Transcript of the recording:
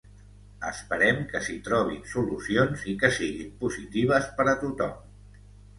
Esperem que s’hi trobin solucions i que siguin positives per a tothom.